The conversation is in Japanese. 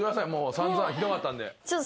散々ひどかったんで。